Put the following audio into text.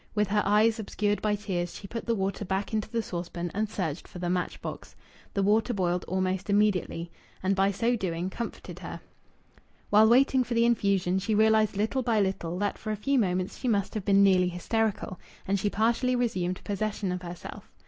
With her eyes obscured by tears, she put the water back into the saucepan and searched for the match box. The water boiled almost immediately, and by so doing comforted her. While waiting for the infusion, she realized little by little that for a few moments she must have been nearly hysterical, and she partially resumed possession of herself.